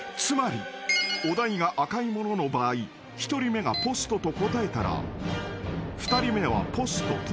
［つまりお題が赤いものの場合１人目がポストと答えたら２人目はポスト。